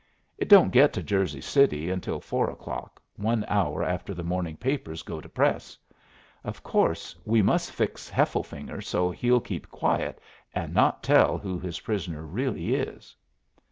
It don't get to Jersey City until four o'clock, one hour after the morning papers go to press. Of course, we must fix Hefflefinger so's he'll keep quiet and not tell who his prisoner really is."